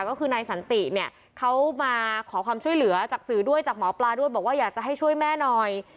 ก็คือนายสันติเนี่ยเขามาขอความช่วยเหลือจากสื่อด้วยจากหมอปลาด้วยบอกว่าอยากจะให้ช่วยแม่หน่อย